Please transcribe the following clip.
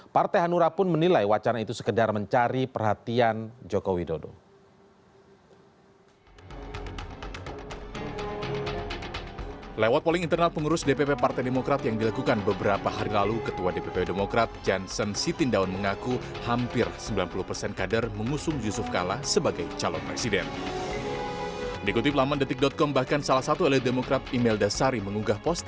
partai hanura pun menilai wacana itu sekedar mencari perhatian joko widodo